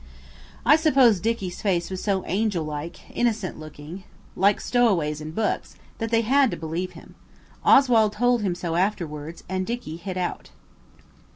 I suppose Dicky's face was so angel like, innocent looking, like stowaways in books, that they had to believe him. Oswald told him so afterwards, and Dicky hit out.